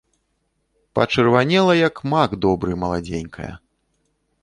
Пачырванела, як мак добры, маладзенькая.